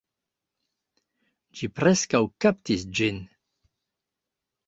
Ĝi preskaŭ kaptis ĝin